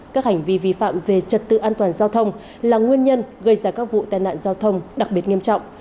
các hành vi vi phạm về trật tự an toàn giao thông là nguyên nhân gây ra các vụ tai nạn giao thông đặc biệt nghiêm trọng